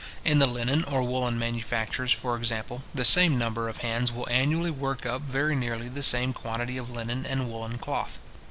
In the linen or woollen manufactures, for example, the same number of hands will annually work up very nearly the same quantity of linen and woollen cloth.